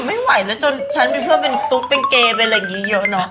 อย่าไม่ไหวนะจนฉันเป็นเพื่อนตุ๊กเช่นแก่ไปอย่างนี้เยอะนะ